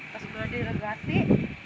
pas sudah diregasi